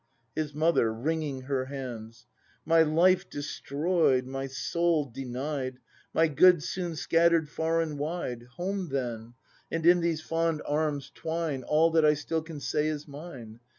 His Mother. [Wringing her hands.] My life destroy 'd, my soul denied. My goods soon scatter'd far and wide! Home then, and in these fond arms twine All that I still can say is mine!